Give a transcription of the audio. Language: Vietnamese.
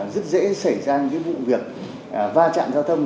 rất dễ xảy ra những vụ việc va chạm giao thông